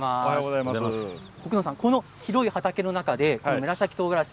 奥野さん、この広い畑の中で紫とうがらし